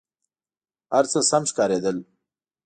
هر څه سم ښکارېدل.